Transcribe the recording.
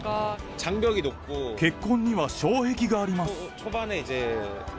結婚には障壁があります。